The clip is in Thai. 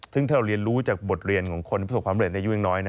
และเรียนรู้จากบทเรียนของคนประสบความเรียนในอายุยังน้อย